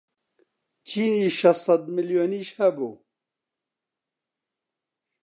چینی شەشسەد ملیۆنیش هەبوو